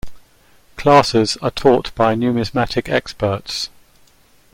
Classes are taught by numismatic experts.